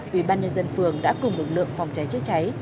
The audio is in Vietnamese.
ủy ban nhân dân phường đã cùng lực lượng phòng cháy chữa cháy